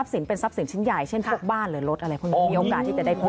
สินเป็นทรัพย์สินชิ้นใหญ่เช่นพวกบ้านหรือรถอะไรพวกนี้มีโอกาสที่จะได้พบ